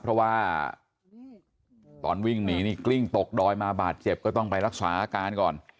เพราะว่าตอนวิ่งหนีนี่กลิ้งตกดอยมาบาดเจ็บก็ต้องไปรักษาอาการก่อน